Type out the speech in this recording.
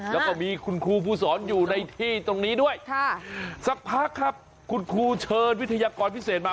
แล้วก็มีคุณครูผู้สอนอยู่ในที่ตรงนี้ด้วยสักพักครับคุณครูเชิญวิทยากรพิเศษมา